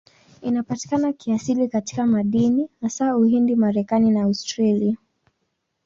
Inapatikana kiasili katika madini, hasa Uhindi, Marekani na Australia.